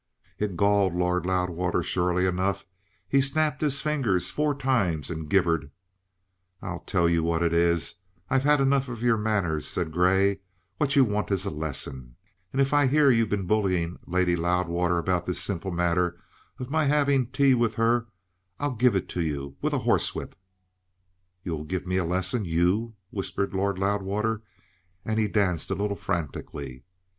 It galled Lord Loudwater surely enough; he snapped his fingers four times and gibbered. "I tell you what it is: I've had enough of your manners," said Grey. "What you want is a lesson. And if I hear that you've been bullying Lady Loudwater about this simple matter of my having had tea with her, I'll give it you with a horsewhip." "You'll give me a lesson? You?" whispered Lord Loudwater, and he danced a little frantically.